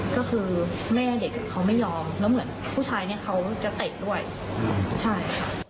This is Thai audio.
ก็คือแม่เด็กเขาไม่ยอมแล้วเหมือนผู้ชายเขาจะเตะด้วย